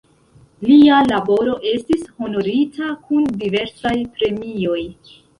Lia laboro estis honorita kun diversaj premioj.